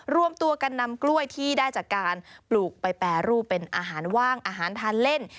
รวมตัวกันนำกล้วยที่ได้จากการปลูกไปแปรรูปเป็นอาหารว่างอาหารทานเล่น